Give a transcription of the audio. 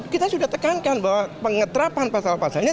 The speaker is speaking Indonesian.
kita sudah tekankan bahwa pengeterapan pasal pasalnya